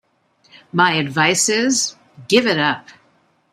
My advice is—give it up!